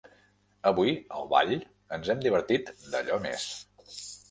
Avui, al ball, ens hem divertit d'allò més!